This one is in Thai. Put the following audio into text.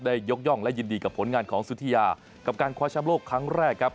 ยกย่องและยินดีกับผลงานของสุธิยากับการคว้าแชมป์โลกครั้งแรกครับ